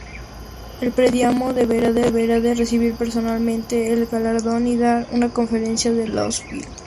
El premiado deberá de recibir personalmente el galardón y dar una conferencia en Louisville.